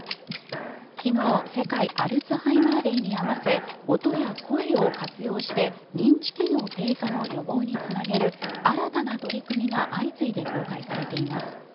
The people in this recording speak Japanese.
昨日世界アルツハイマーデーに合わせ音や声を活用して認知機能低下の予防につなげる新たな取り組みが相次いで公開されています。